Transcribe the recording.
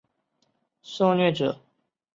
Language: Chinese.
受虐者会受到长期的情绪影响。